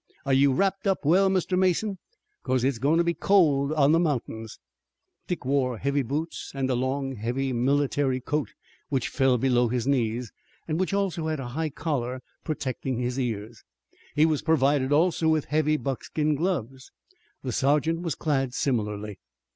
Are you wrapped up well, Mr. Mason, 'cause it's goin' to be cold on the mountains?" Dick wore heavy boots, and a long, heavy military coat which fell below his knees and which also had a high collar protecting his ears. He was provided also with heavy buckskin gloves. The sergeant was clad similarly.